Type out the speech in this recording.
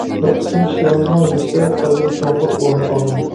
بىر قىسىم كىشىلىرىمىزنىڭ «يۈكسەك» قەلبىدە چوڭقۇر ئورۇن ئالدىم.